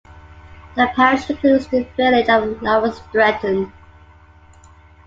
The parish includes the village of Lower Stretton.